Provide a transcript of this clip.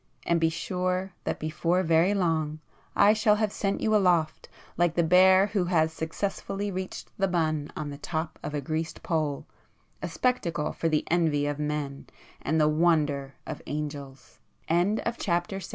—and be sure that before very long I shall have set you aloft like the bear who has successfully reached the bun on the top of a greased pole,—a spectacle for the envy of men, and the wonder